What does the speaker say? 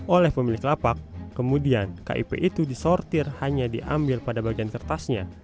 oleh pemilik lapak kemudian kip itu disortir hanya diambil pada bagian kertasnya